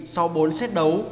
sau bốn set đấu